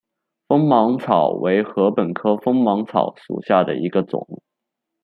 锋芒草为禾本科锋芒草属下的一个种。